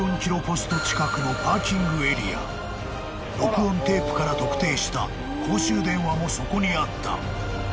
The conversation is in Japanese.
［録音テープから特定した公衆電話もそこにあった］